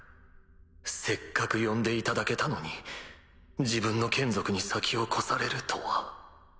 せっかく呼んでいただけたのに自分の眷属に先を越されるとは。